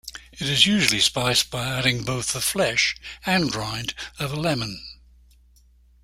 It is usually spiced by adding both the flesh and rind of a lemon.